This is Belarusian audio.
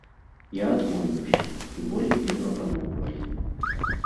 Я адмовіўся, і болей не прапаноўвалі.